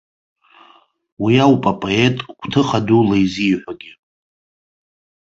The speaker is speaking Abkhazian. Уи ауп апоет гәҭыха дула изиҳәогьы.